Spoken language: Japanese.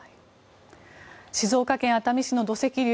静岡県熱海市の土石流。